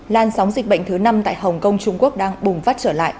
lan sóng dịch bệnh thứ năm tại hồng kông trung quốc đang bùng phát trở lại